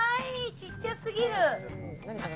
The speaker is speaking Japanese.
ちっちゃすぎる。